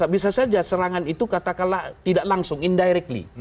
bisa saja serangan itu katakanlah tidak langsung indirectly